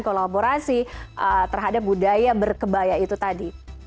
kolaborasi terhadap budaya berkebaya itu tadi